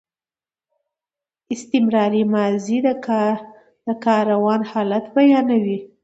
استمراري ماضي د کار روان حالت بیانوي.